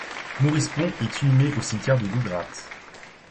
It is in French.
Maurice Pon est inhumé au cimetière de Lougratte.